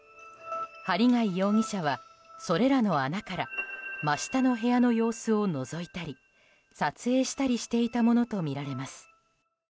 針谷容疑者は、それらの穴から真下の部屋の様子をのぞいたり撮影したりしていたものとみられます。